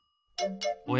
おや？